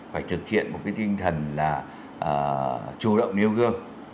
phải thực hiện một cái tinh thần là chủ động nêu gương